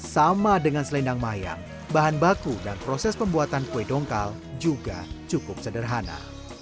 sama dengan selendang mayang bahan baku dan proses pembuatan kue dongkal juga cukup sederhana